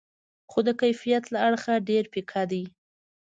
خو د کیفیت له اړخه ډېر پیکه دي.